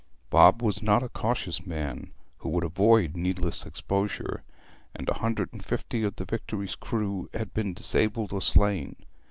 Bob was not a cautious man who would avoid needless exposure, and a hundred and fifty of the Victory's crew had been disabled or slain.